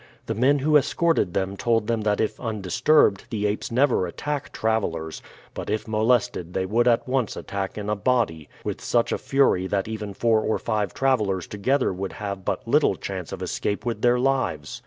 The men who escorted them told them that if undisturbed the apes never attack travelers, but if molested they would at once attack in a body with such fury that even four or five travelers together would have but little chance of escape with their lives.